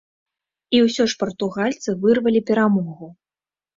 І ўсё ж партугальцы вырвалі перамогу.